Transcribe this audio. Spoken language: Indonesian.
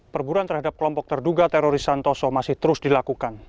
perburuan terhadap kelompok terduga teroris santoso masih terus dilakukan